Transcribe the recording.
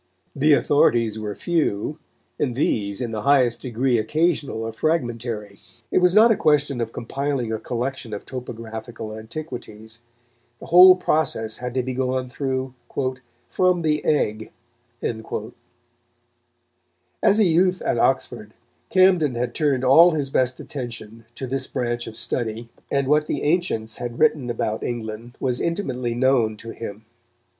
The authorities were few, and these in the highest degree occasional or fragmentary. It was not a question of compiling a collection of topographical antiquities. The whole process had to be gone through "from the egg." As a youth at Oxford, Camden had turned all his best attention to this branch of study, and what the ancients had written about England was intimately known to him.